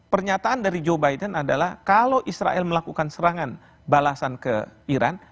pernyataan dari joe biden adalah kalau israel melakukan serangan balasan ke iran